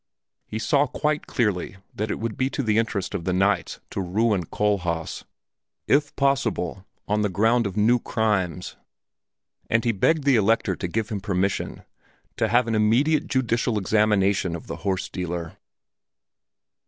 He saw quite clearly that it would be to the interest of the knights to ruin Kohlhaas, if possible, on the ground of new crimes, and he begged the Elector to give him permission to have an immediate judicial examination of the horse dealer.